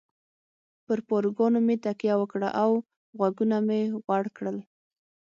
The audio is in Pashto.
پر پاروګانو مې تکیه وکړه او غوږونه مې غوړ کړل.